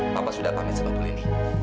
papa sudah pamit sebetul ini